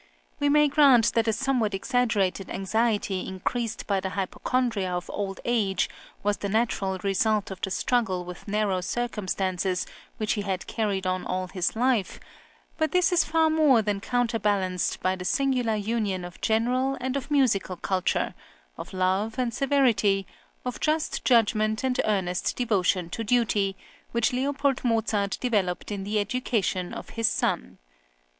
We may grant that a somewhat exaggerated anxiety increased by the hypochondria of old age was the natural result of the struggle with narrow circumstances which he had carried on all his life; but this is far more than counterbalanced by the singular union of general and of musical culture, of love and severity, of just judgment and earnest devotion to duty, which Leopold Mozart developed in the education of his son.